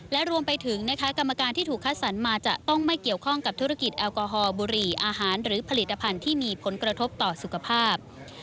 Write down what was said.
และรวมไปถึงนะคะกรรมการที่ถูกคัดสรรมาจะต้องไม่เกี่ยวข้องกับธุรกิจแอลกอฮอลบุหรี่อาหารหรือผลิตภัณฑ์ที่มีผลกระทบต่อสุขภาพ